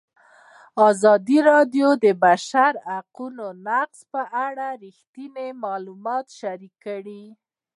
ازادي راډیو د د بشري حقونو نقض په اړه رښتیني معلومات شریک کړي.